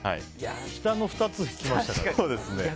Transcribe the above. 下の２つ、引きましたから。